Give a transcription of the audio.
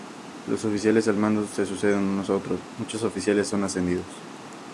Los oficiales al mando se suceden unos a otros; muchos oficiales son ascendidos.